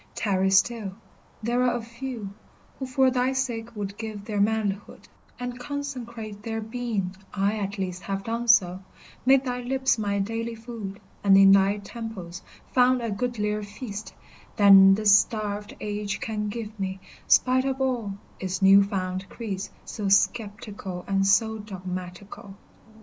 tarry still, there are a few Who for thy sake would give their manlihood And consecrate their being, I at least Have done so, made thy lips my daily food, And in thy temples found a goodlier feast Than this starved age can give me, spite of all Its new found creeds so sceptical and so dogmatical.